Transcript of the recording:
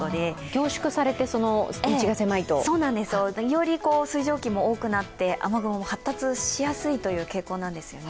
凝縮されて、その道が狭いと。より水蒸気も多くなって、雨雲も発達しやすい傾向なんです。